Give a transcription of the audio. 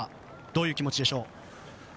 どういう気持ちでしょう？